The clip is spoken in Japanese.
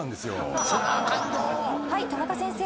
はい田中先生。